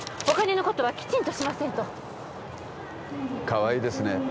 お金のことはきちんとしませんとかわいいですね